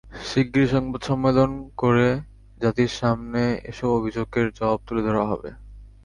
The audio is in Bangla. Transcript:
শিগগিরই সংবাদ সমেঞ্চলন করে জাতির সামনে এসব অভিযোগের জবাব তুলে ধরা হবে।